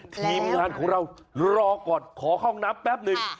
ทีมงานของเรารอก่อนขอเข้าห้องน้ำแป๊บหนึ่ง